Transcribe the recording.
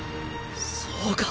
そうか！